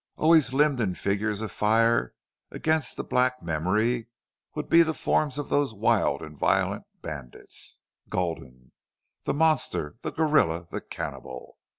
Always limned in figures of fire against the black memory would be the forms of those wild and violent bandits! Gulden, the monster, the gorilla, the cannibal!